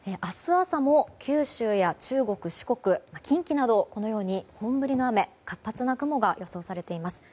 朝も九州や中国・四国近畿などこのように本降りの雨活発な雲が予想されています。